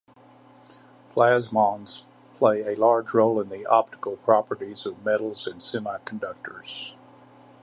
Plasmons play a large role in the optical properties of metals and semiconductors.